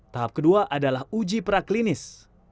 tahap kedua adalah uji praklinis